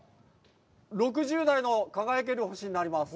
６０代の輝ける星になります。